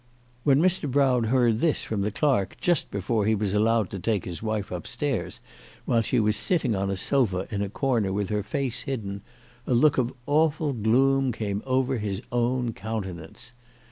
When Mr. Brown heard this from the clerk just before he was allowed to take his wife upstairs, while she was sitting on a sofa in a corner with her face hidden, a look of CHRISTMAS AT THOMPSON HALL. 239 awful gloom came over his own countenance.